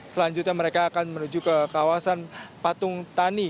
selanjutnya mereka akan menuju ke kawasan patung tani